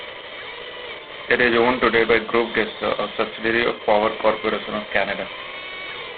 It is owned today by Groupe Gesca, a subsidiary of Power Corporation of Canada.